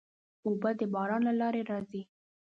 اوبه د باران له لارې راځي.